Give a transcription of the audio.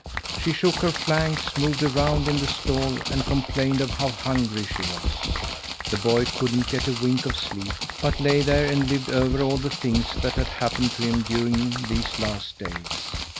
She shook her flanks, moved around in the stall, and complained of how hungry she was. The boy couldn't get a wink of sleep, but lay there and lived over all the things that had happened to him during these last days.